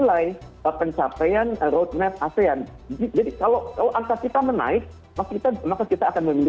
kita harus buktikan juga kepada dunia bahwa upaya kolektif asean ini